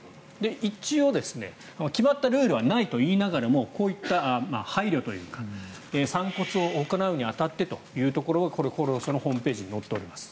一応、決まったルールはないといいながらもこういった配慮というか散骨を行うに当たってというのがこれ、厚労省のホームページに載っております。